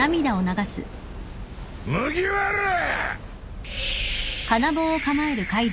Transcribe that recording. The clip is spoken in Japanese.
麦わらぁ！